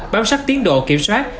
báo sát tiến độ kiểm soát